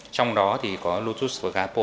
trong đó thì có lotus và gapo